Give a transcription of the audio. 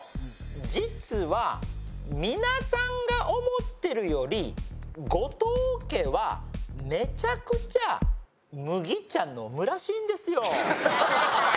実は皆さんが思ってるより後藤家はめちゃくちゃ麦茶飲むらしいんですよ。